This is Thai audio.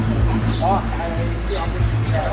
สวัสดีทุกคน